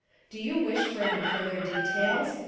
Do you wish for any further details?